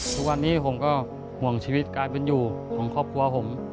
ทุกวันนี้ผมก็ห่วงชีวิตการเป็นอยู่ของครอบครัวผม